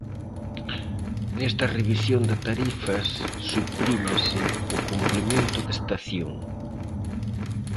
Nesta revisión de tarifas suprímese o complemento de estación.